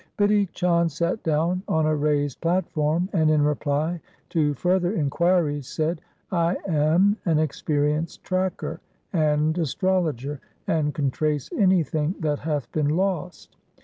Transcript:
Bidhi Chand sat down on a raised platform and in reply to further inquiries said, ' I am an experienced tracker and astrologer, and can trace anything that hath been lost.'